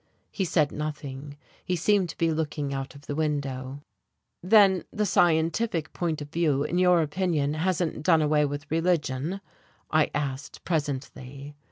He said nothing he seemed to be looking out of the window. "Then the scientific point of view in your opinion hasn't done away with religion?" I asked presently.